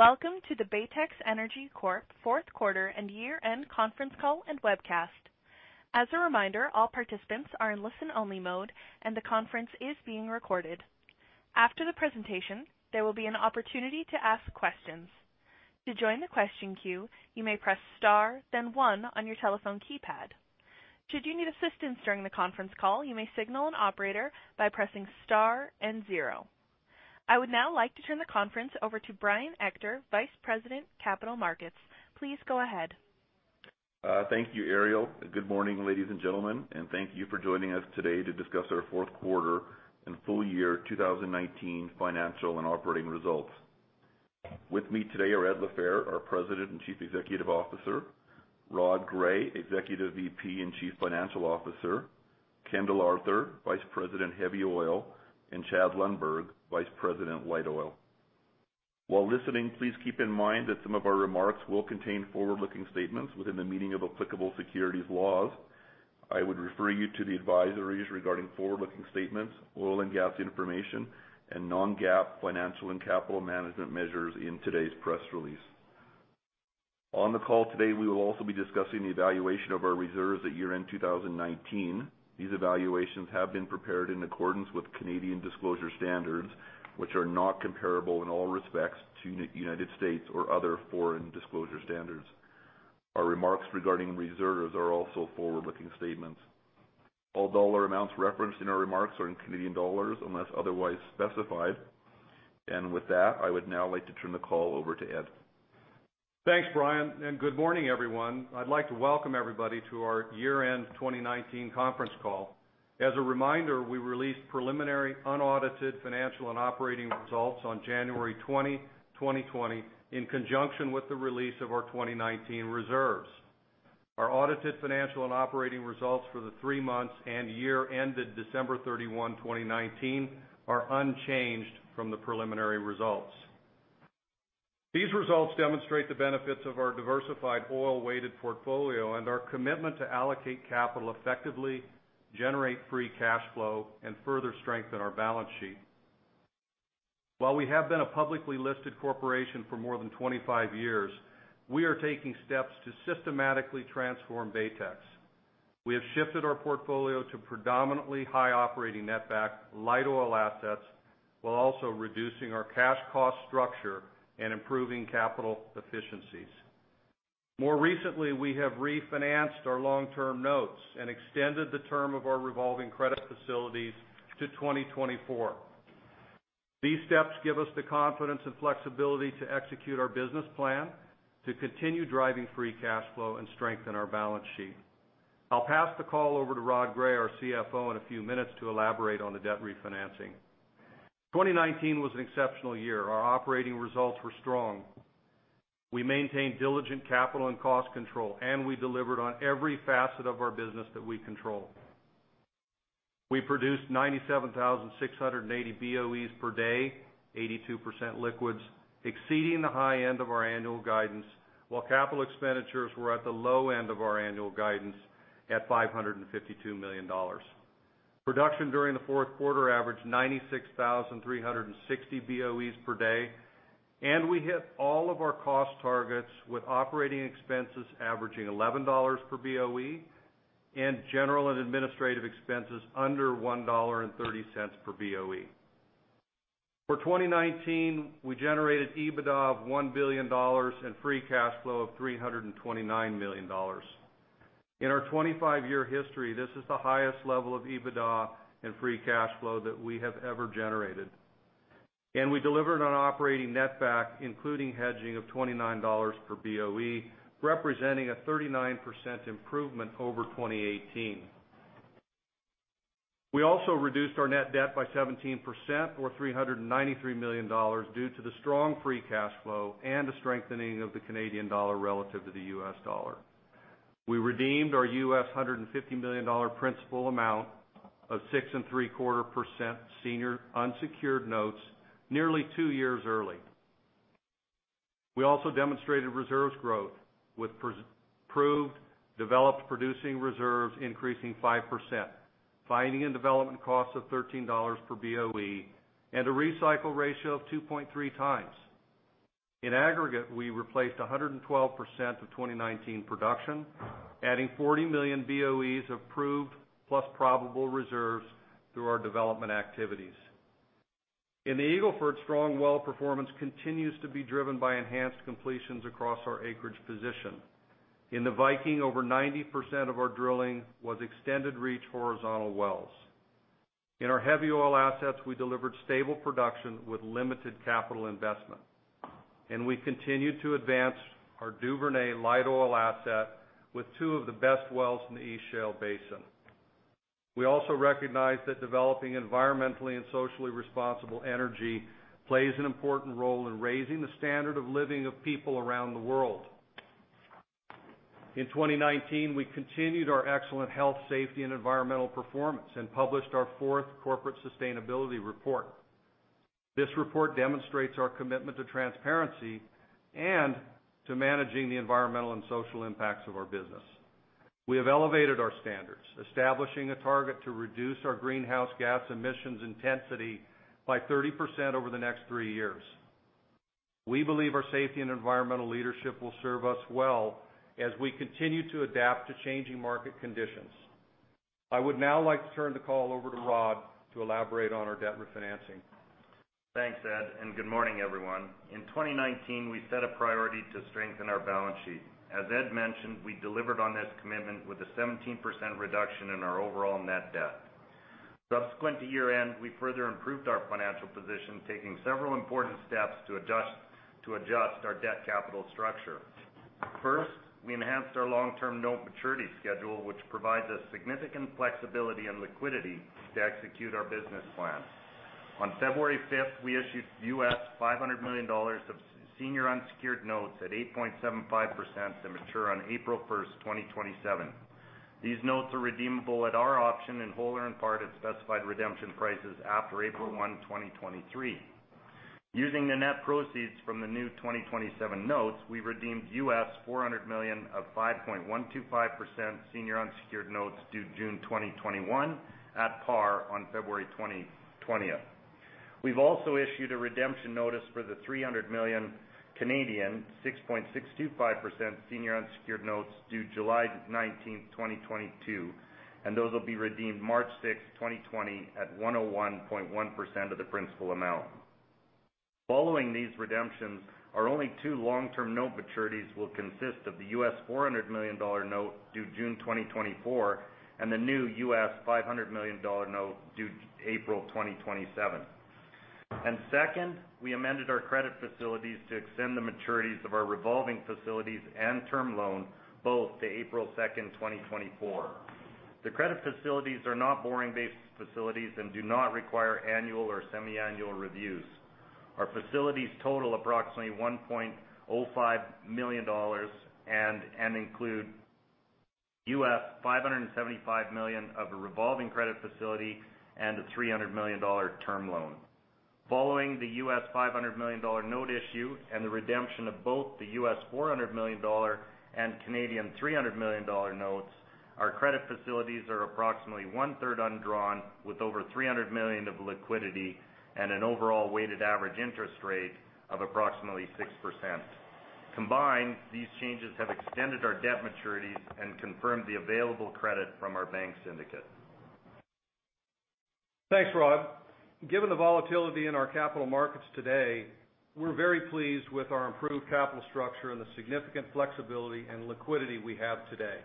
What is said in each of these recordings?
Welcome to the Baytex Energy Corp Fourth Quarter and Year-End Conference Call and Webcast. As a reminder, all participants are in listen-only mode, and the conference is being recorded. After the presentation, there will be an opportunity to ask questions. To join the question queue, you may press star then one on your telephone keypad. Should you need assistance during the conference call, you may signal an operator by pressing star and zero. I would now like to turn the conference over to Brian Ector, Vice President, Capital Markets. Please go ahead. Thank you, Ariel. Good morning, ladies and gentlemen, and thank you for joining us today to discuss our Fourth Quarter and Full Year 2019 Financial and Operating Results. With me today are Ed LaFehr, our President and Chief Executive Officer, Rod Gray, Executive VP and Chief Financial Officer, Kendall Arthur, Vice President, Heavy Oil, and Chad Lundberg, Vice President, Light Oil. While listening, please keep in mind that some of our remarks will contain forward-looking statements within the meaning of applicable securities laws. I would refer you to the advisories regarding forward-looking statements, oil and gas information, and Non-GAAP financial and capital management measures in today's press release. On the call today, we will also be discussing the evaluation of our reserves at year-end 2019. These evaluations have been prepared in accordance with Canadian disclosure standards, which are not comparable in all respects to United States or other foreign disclosure standards. Our remarks regarding reserves are also forward-looking statements. All dollar amounts referenced in our remarks are in Canadian dollars, unless otherwise specified, and with that, I would now like to turn the call over to Ed. Thanks, Brian, and good morning, everyone. I'd like to welcome everybody to our year-end 2019 conference call. As a reminder, we released preliminary unaudited financial and operating results on January 20, 2020, in conjunction with the release of our 2019 reserves. Our audited financial and operating results for the three months and year ended December 31, 2019, are unchanged from the preliminary results. These results demonstrate the benefits of our diversified oil-weighted portfolio and our commitment to allocate capital effectively, generate free cash flow, and further strengthen our balance sheet. While we have been a publicly listed corporation for more than 25 years, we are taking steps to systematically transform Baytex. We have shifted our portfolio to predominantly high operating netback light oil assets, while also reducing our cash cost structure and improving capital efficiencies. More recently, we have refinanced our long-term notes and extended the term of our revolving credit facilities to 2024. These steps give us the confidence and flexibility to execute our business plan, to continue driving free cash flow and strengthen our balance sheet. I'll pass the call over to Rod Gray, our CFO, in a few minutes to elaborate on the debt refinancing. 2019 was an exceptional year. Our operating results were strong. We maintained diligent capital and cost control, and we delivered on every facet of our business that we control. We produced 97,680 BOEs per day, 82% liquids, exceeding the high end of our annual guidance, while capital expenditures were at the low end of our annual guidance at 552 million dollars. Production during the fourth quarter averaged 96,360 BOEs per day, and we hit all of our cost targets, with operating expenses averaging 11 dollars per BOE and general and administrative expenses under 1.30 dollar per BOE. For 2019, we generated EBITDA of 1 billion dollars and free cash flow of 329 million dollars. In our 25-year history, this is the highest level of EBITDA and free cash flow that we have ever generated, and we delivered on operating netback, including hedging of 29 dollars per BOE, representing a 39% improvement over 2018. We also reduced our net debt by 17% or 393 million dollars due to the strong free cash flow and the strengthening of the Canadian dollar relative to the U.S. dollar. We redeemed our $150 million principal amount of 6.75% senior unsecured notes nearly two years early. We also demonstrated reserves growth, with proved developed producing reserves increasing 5%, finding and development costs of $13 per BOE, and a recycle ratio of 2.3 times. In aggregate, we replaced 112% of 2019 production, adding 40 million BOEs of proved plus probable reserves through our development activities. In the Eagle Ford, strong well performance continues to be driven by enhanced completions across our acreage position. In the Viking, over 90% of our drilling was extended reach horizontal wells. In our heavy oil assets, we delivered stable production with limited capital investment, and we continued to advance our Duvernay light oil asset with two of the best wells in the East Shale Basin. We also recognize that developing environmentally and socially responsible energy plays an important role in raising the standard of living of people around the world. In 2019, we continued our excellent health, safety, and environmental performance and published our fourth corporate sustainability report. This report demonstrates our commitment to transparency and to managing the environmental and social impacts of our business.... We have elevated our standards, establishing a target to reduce our greenhouse gas emissions intensity by 30% over the next three years. We believe our safety and environmental leadership will serve us well as we continue to adapt to changing market conditions. I would now like to turn the call over to Rod to elaborate on our debt refinancing. Thanks, Ed, and good morning, everyone. In 2019, we set a priority to strengthen our balance sheet. As Ed mentioned, we delivered on this commitment with a 17% reduction in our overall net debt. Subsequent to year-end, we further improved our financial position, taking several important steps to adjust our debt capital structure. First, we enhanced our long-term note maturity schedule, which provides us significant flexibility and liquidity to execute our business plan. On February 5, we issued $500 million of senior unsecured notes at 8.75% to mature on April 1, 2027. These notes are redeemable at our option in whole or in part at specified redemption prices after April 1, 2023. Using the net proceeds from the new 2027 notes, we redeemed $400 million of 5.125% senior unsecured notes due June 2021 at par on February 20, 2020. We've also issued a redemption notice for the 300 million 6.625% senior unsecured notes due July 19, 2022, and those will be redeemed March 6, 2020, at 101.1% of the principal amount. Following these redemptions, our only two long-term note maturities will consist of the $400 million note due June 2024, and the new $500 million note due April 2027. And second, we amended our credit facilities to extend the maturities of our revolving facilities and term loan both to April 2, 2024. The credit facilities are not borrowing-based facilities and do not require annual or semiannual reviews. Our facilities total approximately $1.05 billion and include $575 million of a revolving credit facility and a 300 million dollar term loan. Following the $500 million note issue and the redemption of both the $400 million and 300 million Canadian dollars notes, our credit facilities are approximately one-third undrawn, with over 300 million of liquidity and an overall weighted average interest rate of approximately 6%. Combined, these changes have extended our debt maturities and confirmed the available credit from our bank syndicate. Thanks, Rod. Given the volatility in our capital markets today, we're very pleased with our improved capital structure and the significant flexibility and liquidity we have today.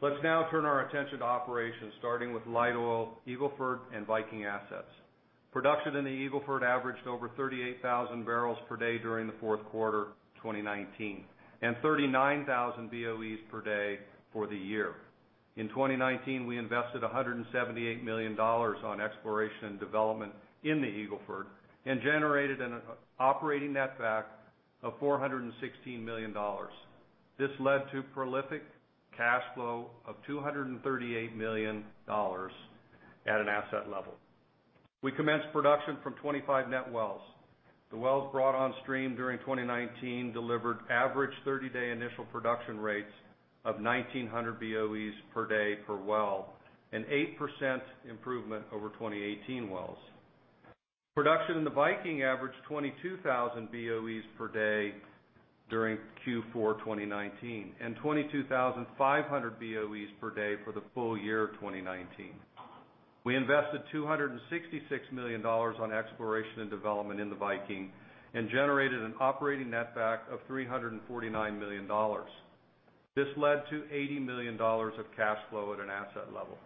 Let's now turn our attention to operations, starting with light oil, Eagle Ford, and Viking assets. Production in the Eagle Ford averaged over 38,000 barrels per day during the fourth quarter of 2019, and 39,000 BOEs per day for the year. In 2019, we invested 178 million dollars on exploration and development in the Eagle Ford and generated an operating netback of 416 million dollars. This led to prolific cash flow of 238 million dollars at an asset level. We commenced production from 25 net wells. The wells brought on stream during 2019 delivered average 30-day initial production rates of 1,900 BOEs per day per well, an 8% improvement over 2018 wells. Production in the Viking averaged 22,000 BOEs per day during Q4 2019, and 22,500 BOEs per day for the full year of 2019. We invested 266 million dollars on exploration and development in the Viking and generated an operating netback of 349 million dollars. This led to 80 million dollars of cash flow at an asset level.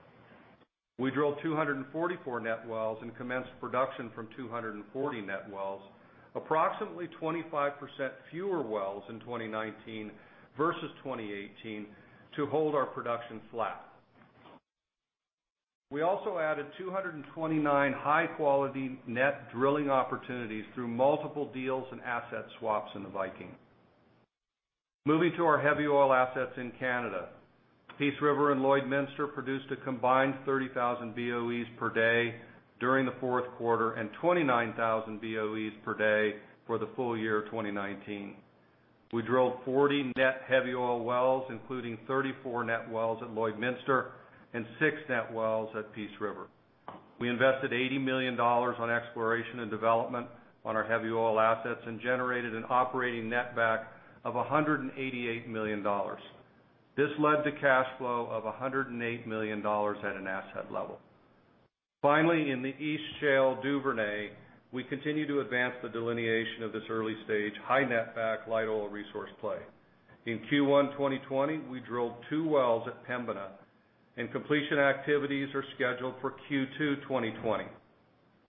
We drilled 244 net wells and commenced production from 240 net wells, approximately 25% fewer wells in 2019 versus 2018 to hold our production flat. We also added 229 high-quality net drilling opportunities through multiple deals and asset swaps in the Viking. Moving to our heavy oil assets in Canada. Peace River and Lloydminster produced a combined 30,000 BOEs per day during the fourth quarter, and 29,000 BOEs per day for the full year of 2019. We drilled 40 net heavy oil wells, including 34 net wells at Lloydminster and 6 net wells at Peace River. We invested 80 million dollars on exploration and development on our heavy oil assets and generated an operating netback of 188 million dollars. This led to cash flow of 108 million dollars at an asset level. Finally, in the East Shale Duvernay, we continue to advance the delineation of this early-stage, high-netback light oil resource play. In Q1 2020, we drilled two wells at Pembina, and completion activities are scheduled for Q2 2020.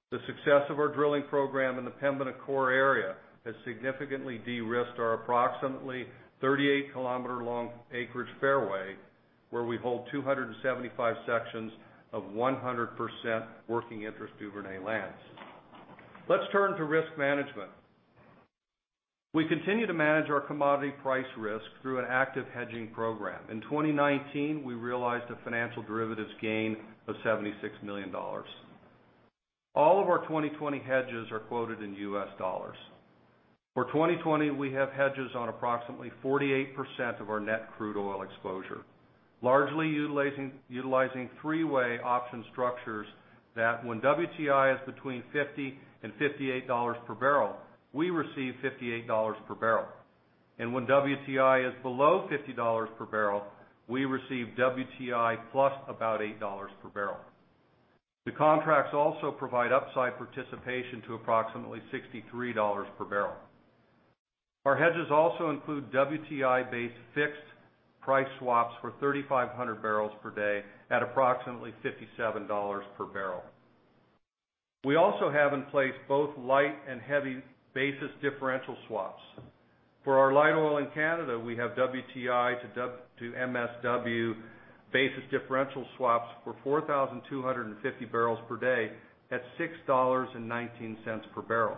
The success of our drilling program in the Pembina core area has significantly de-risked our approximately 38-kilometer-long acreage fairway, where we hold 275 sections of 100% working interest Duvernay lands. Let's turn to risk management. We continue to manage our commodity price risk through an active hedging program. In 2019, we realized a financial derivatives gain of 76 million dollars.... All of our 2020 hedges are quoted in U.S. dollars. For 2020, we have hedges on approximately 48% of our net crude oil exposure, largely utilizing three-way option structures that when WTI is between $50-$58 per barrel, we receive $58 per barrel. When WTI is below $50 per barrel, we receive WTI plus about $8 per barrel. The contracts also provide upside participation to approximately $63 per barrel. Our hedges also include WTI-based fixed price swaps for 3,500 barrels per day at approximately $57 per barrel. We also have in place both light and heavy basis differential swaps. For our light oil in Canada, we have WTI to MSW basis differential swaps for 4,250 barrels per day at $6.19 per barrel.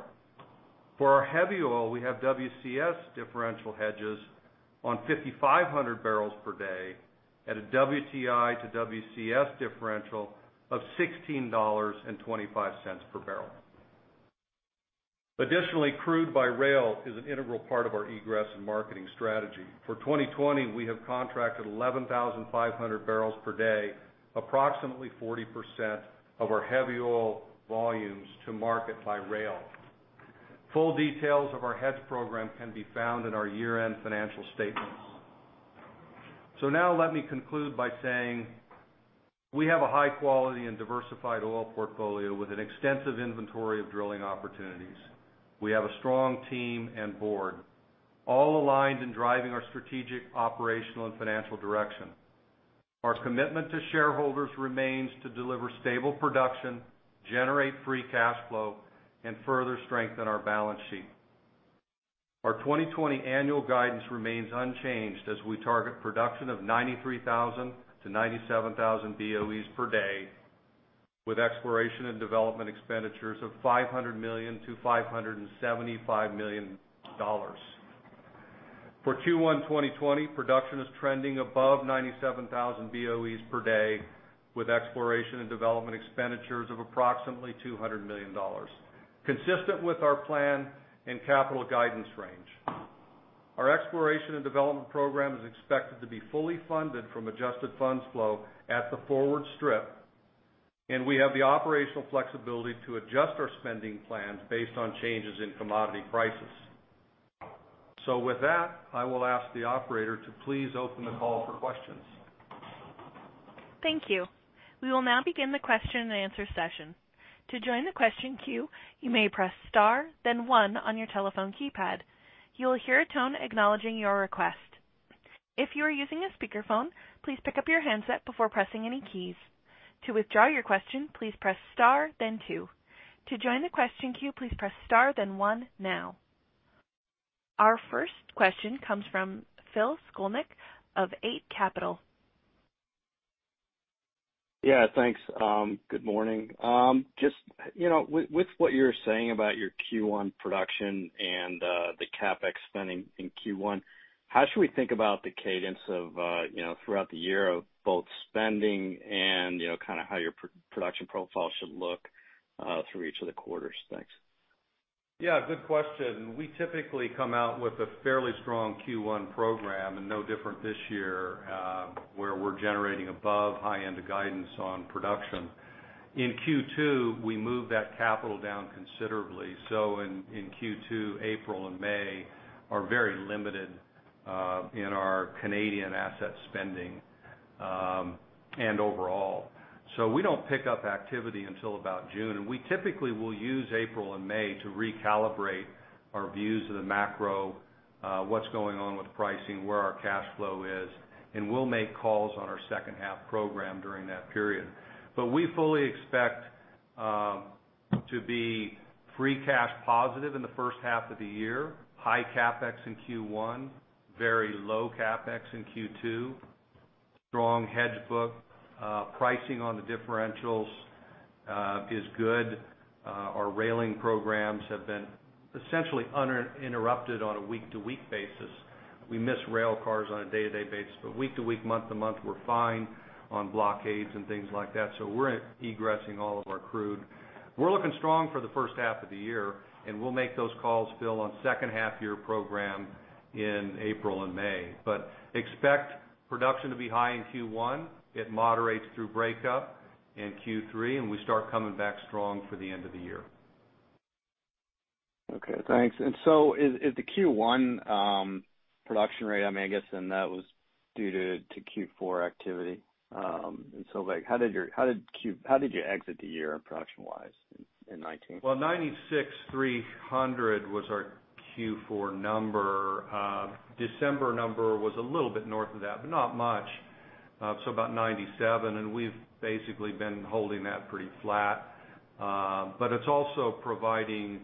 For our heavy oil, we have WCS differential hedges on 5,500 barrels per day at a WTI to WCS differential of $16.25 per barrel. Additionally, crude by rail is an integral part of our egress and marketing strategy. For 2020, we have contracted 11,500 barrels per day, approximately 40% of our heavy oil volumes, to market by rail. Full details of our hedge program can be found in our year-end financial statements. So now let me conclude by saying, we have a high quality and diversified oil portfolio with an extensive inventory of drilling opportunities. We have a strong team and board, all aligned in driving our strategic, operational, and financial direction. Our commitment to shareholders remains to deliver stable production, generate free cash flow, and further strengthen our balance sheet. Our 2020 annual guidance remains unchanged as we target production of 93,000 to 97,000 BOEs per day, with exploration and development expenditures of 500 million-575 million dollars. For Q1 2020, production is trending above 97,000 BOEs per day, with exploration and development expenditures of approximately 200 million dollars, consistent with our plan and capital guidance range. Our exploration and development program is expected to be fully funded from adjusted funds flow at the forward strip, and we have the operational flexibility to adjust our spending plans based on changes in commodity prices. So with that, I will ask the operator to please open the call for questions. Thank you. We will now begin the question-and-answer session. To join the question queue, you may press star then one on your telephone keypad. You will hear a tone acknowledging your request. If you are using a speakerphone, please pick up your handset before pressing any keys. To withdraw your question, please press star then two. To join the question queue, please press star then one now. Our first question comes from Phil Skolnick of Eight Capital. Yeah, thanks. Good morning. Just, you know, with, with what you're saying about your Q1 production and the CapEx spending in Q1, how should we think about the cadence of, you know, throughout the year of both spending and, you know, kind of how your production profile should look through each of the quarters? Thanks. Yeah, good question. We typically come out with a fairly strong Q1 program, and no different this year, where we're generating above high end of guidance on production. In Q2, we move that capital down considerably. So in Q2, April and May are very limited in our Canadian asset spending, and overall. So we don't pick up activity until about June, and we typically will use April and May to recalibrate our views of the macro, what's going on with pricing, where our cash flow is, and we'll make calls on our second half program during that period. But we fully expect to be free cash positive in the first half of the year, high CapEx in Q1, very low CapEx in Q2, strong hedge book. Pricing on the differentials is good. Our rail programs have been essentially uninterrupted on a week-to-week basis. We miss rail cars on a day-to-day basis, but week to week, month to month, we're fine on blockades and things like that, so we're egressing all of our crude. We're looking strong for the first half of the year, and we'll make those calls, Phil, on second half year program in April and May, but expect production to be high in Q1. It moderates through breakup in Q3, and we start coming back strong for the end of the year. Okay, thanks. And so is the Q1 production rate, I mean, I'm guessing that was due to Q4 activity. And so, like, how did you exit the year production-wise in 2019? 96,300 was our Q4 number. December number was a little bit north of that, but not much, so about ninety-seven, and we've basically been holding that pretty flat. But it's also providing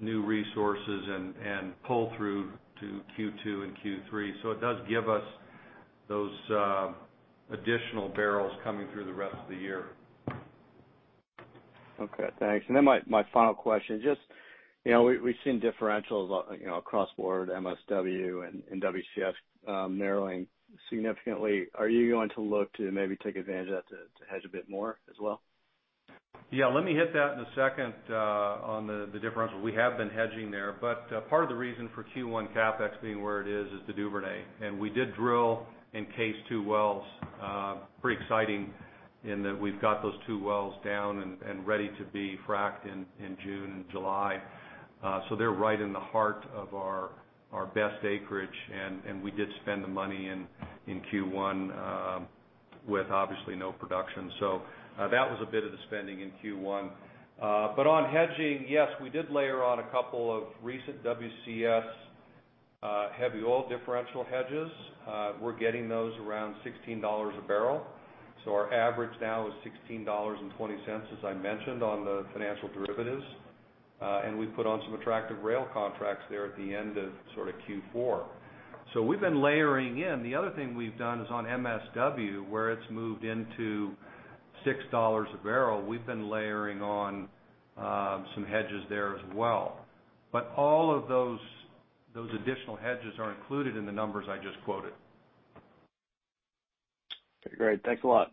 new resources and pull-through to Q2 and Q3, so it does give us those additional barrels coming through the rest of the year. Okay, thanks, and then my final question, just you know, we, we've seen differentials, you know, across board, MSW and WCS narrowing significantly. Are you going to look to maybe take advantage of that to hedge a bit more as well? Yeah, let me hit that in a second, on the differential. We have been hedging there, but part of the reason for Q1 CapEx being where it is is the Duvernay. And we did drill and case two wells, pretty exciting in that we've got those two wells down and ready to be fracked in June and July. So they're right in the heart of our best acreage, and we did spend the money in Q1 with obviously no production. So that was a bit of the spending in Q1. But on hedging, yes, we did layer on a couple of recent WCS heavy oil differential hedges. We're getting those around $16 a barrel. So our average now is $16.20, as I mentioned, on the financial derivatives. And we've put on some attractive rail contracts there at the end of sort of Q4. So we've been layering in. The other thing we've done is on MSW, where it's moved into 6 dollars a barrel. We've been layering on some hedges there as well. But all of those, those additional hedges are included in the numbers I just quoted. Okay, great. Thanks a lot.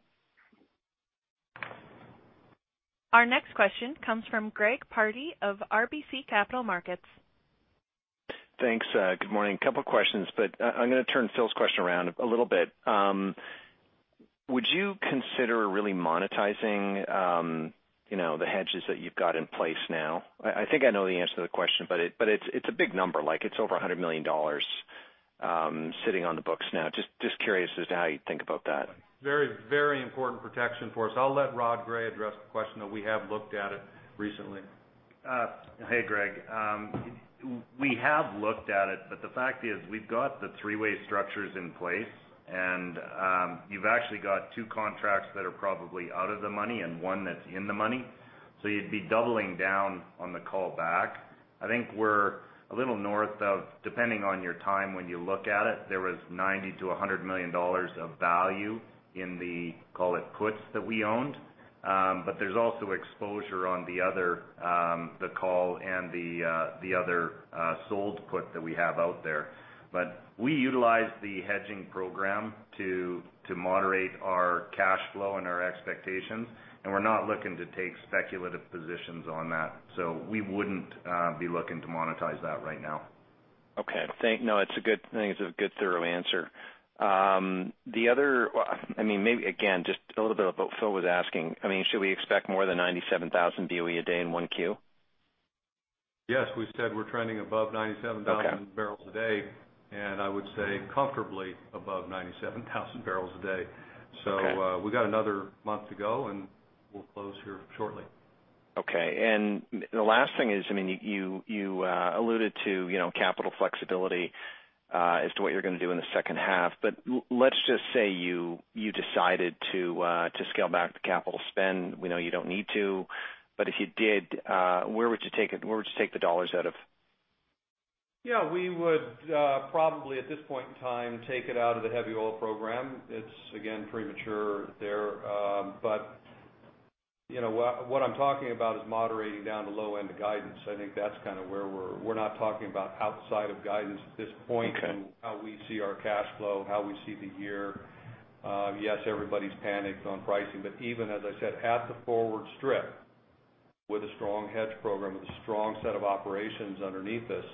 Our next question comes from Greg Pardy of RBC Capital Markets. Thanks. Good morning. A couple questions, but I'm gonna turn Phil's question around a little bit. Would you consider really monetizing, you know, the hedges that you've got in place now? I think I know the answer to the question, but it's a big number, like it's over $100 million sitting on the books now. Just curious as to how you think about that. Very, very important protection for us. I'll let Rod Gray address the question, but we have looked at it recently. Hey, Greg. We have looked at it, but the fact is, we've got the three-way structures in place, and you've actually got two contracts that are probably out of the money and one that's in the money. So you'd be doubling down on the call back. I think we're a little north of $90-$100 million. Depending on your time when you look at it, there was $90-$100 million of value in the, call it, puts that we owned. But there's also exposure on the other, the call and the other sold put that we have out there. But we utilize the hedging program to moderate our cash flow and our expectations, and we're not looking to take speculative positions on that, so we wouldn't be looking to monetize that right now. Okay. It's a good thing. It's a good, thorough answer. The other, well, I mean, maybe again, just a little bit about what Phil was asking. I mean, should we expect more than 97,000 BOE a day in one Q? Yes, we said we're trending above 97,000 barrels a day, and I would say comfortably above 97,000 barrels a day. Okay. So, we've got another month to go, and we'll close here shortly. Okay. And the last thing is, I mean, you alluded to, you know, capital flexibility, as to what you're gonna do in the second half. But let's just say you decided to scale back the capital spend. We know you don't need to, but if you did, where would you take it, where would you take the dollars out of? Yeah, we would probably, at this point in time, take it out of the heavy oil program. It's, again, premature there. But, you know, what I'm talking about is moderating down the low end of guidance. I think that's kind of where we're not talking about outside of guidance at this point. Okay And how we see our cash flow, how we see the year. Yes, everybody's panicked on pricing, but even, as I said, at the forward strip, with a strong hedge program, with a strong set of operations underneath us,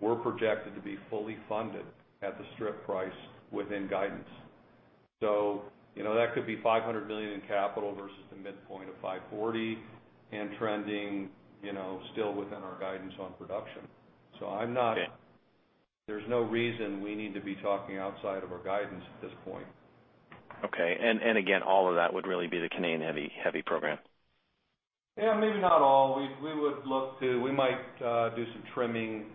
we're projected to be fully funded at the strip price within guidance. So, you know, that could be 500 million in capital versus the midpoint of 540, and trending, you know, still within our guidance on production. So I'm not. Okay. There's no reason we need to be talking outside of our guidance at this point. Okay. And, and again, all of that would really be the Canadian heavy, heavy program? Yeah, maybe not all. We would look to. We might do some trimming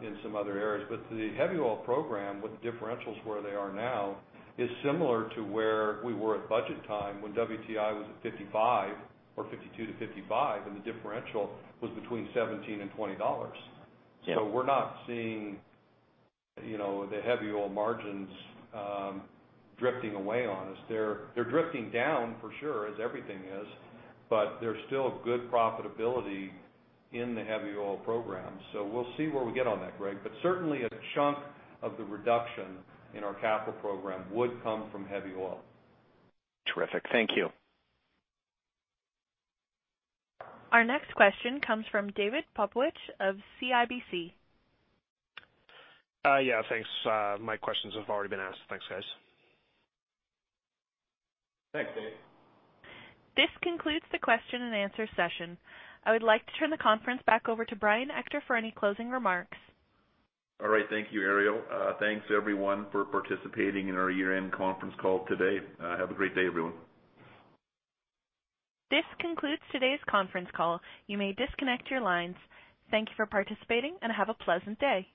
in some other areas. But the heavy oil program, with the differentials where they are now, is similar to where we were at budget time when WTI was at $55 or $52-$55, and the differential was between $17 and $20. Yeah. So we're not seeing, you know, the heavy oil margins drifting away on us. They're drifting down, for sure, as everything is, but there's still good profitability in the heavy oil program. So we'll see where we get on that, Greg, but certainly a chunk of the reduction in our capital program would come from heavy oil. Terrific. Thank you. Our next question comes from David Popowich of CIBC. Yeah, thanks. My questions have already been asked. Thanks, guys. Thanks, Dave. This concludes the question and answer session. I would like to turn the conference back over to Brian Ector for any closing remarks. All right. Thank you, Ariel. Thanks, everyone, for participating in our Year-End Conference Call today. Have a great day, everyone. This concludes today's conference call. You may disconnect your lines. Thank you for participating, and have a pleasant day.